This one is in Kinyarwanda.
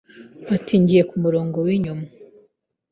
Ati Ngiye ku murongo w’inyuma,